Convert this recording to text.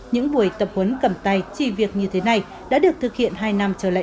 những buổi tập huấn cầm tay chỉ việc như thế này đã được thực hiện hai năm trở lại